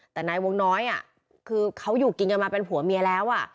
แต่นายวงน้อยคือเขาอยู่กินกันมาเป็นผัวเมียแล้ว